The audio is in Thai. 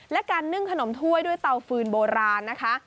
และการนึ่งขนมถ้วยด้วยเตาฟืนโบราณนะคะ